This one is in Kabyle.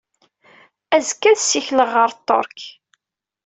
Azekka, ad ssikleɣ ɣer Ṭṭerk.